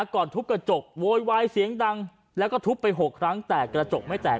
ทุบกระจกโวยวายเสียงดังแล้วก็ทุบไป๖ครั้งแต่กระจกไม่แตก